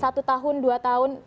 satu tahun dua tahun